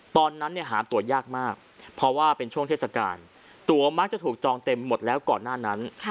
ตอนนั้นหาตัวยากมากเพราะว่าเป็นช่วงเทศกาลตัวมักจะถูกจองเต็มหมดแล้วก่อนหน้านั้น